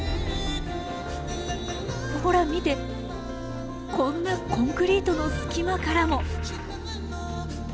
ほら見てこんなコンクリートの隙間からも！